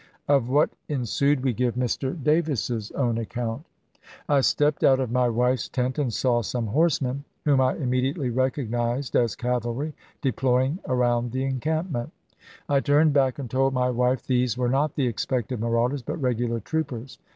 Of what ensued, we give Mr. Davis's own account: CH. xiii. Lawton, in " The Atlantic," Sept., 1865, p. 344. I stepped out of my wife's tent and saw some horsemen, whom I immediately recognized as cavalry, deploying around the encampment. I turned hack and told my wife these were not the expected marauders, hut regular troopers.